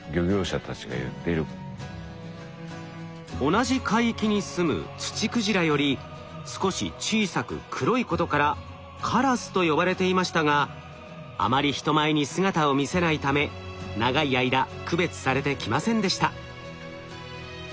同じ海域に住むツチクジラより少し小さく黒いことからカラスと呼ばれていましたがあまり人前に姿を見せないため長い間区別されてきませんでした。